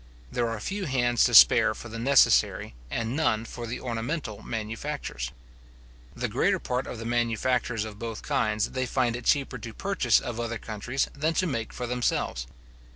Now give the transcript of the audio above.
There are few hands to spare for the necessary, and none for the ornamental manufactures. The greater part of the manufactures of both kinds they find it cheaper to purchase of other countries than to make for themselves.